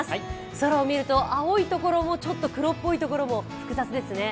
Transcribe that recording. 空を見ると青いところもちょっと黒いところも、複雑ですね。